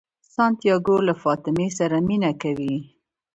سانتیاګو له فاطمې سره مینه کوي.